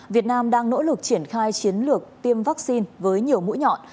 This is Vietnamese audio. việt nam đang nỗ lực triển khai chiến lược tiêm vaccine với nhiều mũi nhọn